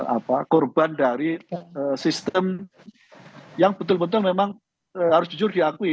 apa korban dari sistem yang betul betul memang harus jujur diakui